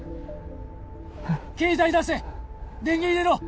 携帯出せ電源入れろ